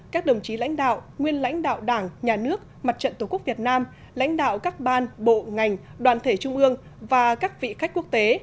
các đồng chí lãnh đạo nguyên lãnh đạo đảng nhà nước mặt trận tổ quốc việt nam lãnh đạo các ban bộ ngành đoàn thể trung ương và các vị khách quốc tế